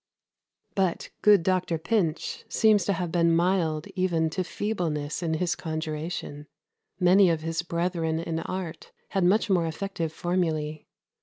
" But "good doctor Pinch" seems to have been mild even to feebleness in his conjuration; many of his brethren in art had much more effective formulae.